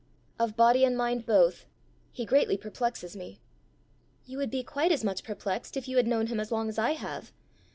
"Of body and mind both. He greatly perplexes me." "You would be quite as much perplexed if you had known him as long as I have!